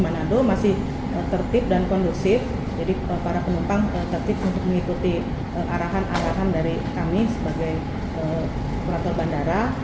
manado masih tertib dan kondusif jadi para penumpang tertip untuk mengikuti arahan arahan dari kami sebagai operator bandara